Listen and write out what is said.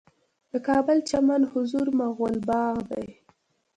د کابل چمن حضوري مغل باغ دی